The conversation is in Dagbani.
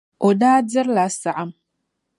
O daa dirila saɣim.